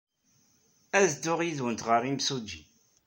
Ad dduɣ yid-went ɣer yimsujji.